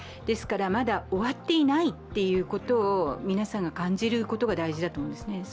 ですからまだ終わっていないということを皆さんが感じることが大事だと思いますね。